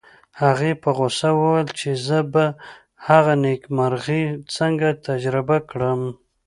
هغې په غوسه وویل چې زه به هغه نېکمرغي څنګه تجربه کړم